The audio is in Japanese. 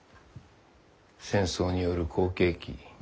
戦争による好景気。